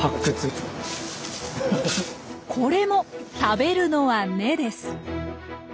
これも食べるのは根です。